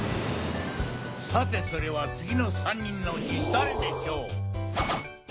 さてそれは次の３人のうち誰でしょう？